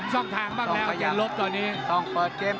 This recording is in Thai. นี่นี่นี่นี่นี่นี่